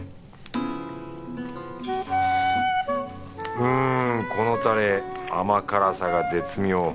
うんこのタレ甘辛さが絶妙。